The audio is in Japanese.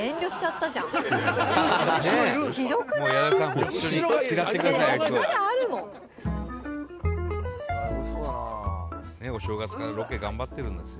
伊達：お正月からロケ頑張ってるんですよ。